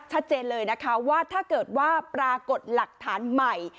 ชัดเจนเลยนะคะว่าถ้าเกิดว่าปรากฏหลักฐานใหม่